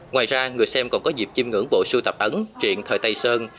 ngoài ra người xem còn có dịp chim ngưỡng bộ sưu tập ấn truyện thời tây sơn